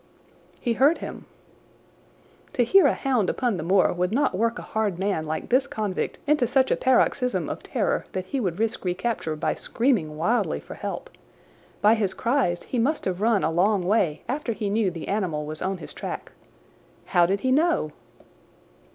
"He heard him." "To hear a hound upon the moor would not work a hard man like this convict into such a paroxysm of terror that he would risk recapture by screaming wildly for help. By his cries he must have run a long way after he knew the animal was on his track. How did he know?"